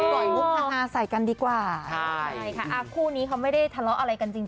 ปล่อยมุกฮาใส่กันดีกว่าใช่ค่ะอ่าคู่นี้เขาไม่ได้ทะเลาะอะไรกันจริง